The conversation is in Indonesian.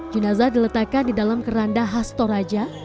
jenazah diletakkan di dalam keranda hasto raja